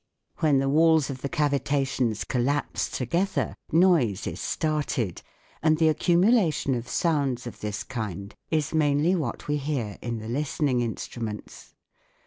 When the walls of the cavitations collapse together, noise is started ; and the accumulation of sounds of this kind is mainly what we hear in the listening in struments.